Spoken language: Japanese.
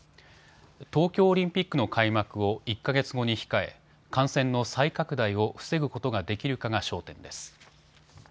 東京オリンピックの開幕を１か月後に控え感染の再拡大を防ぐことができるかが焦点です。